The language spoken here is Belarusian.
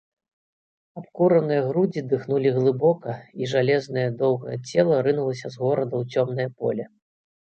Абкураныя грудзі дыхнулі глыбока, і жалезнае, доўгае цела рынулася з горада ў цёмнае поле.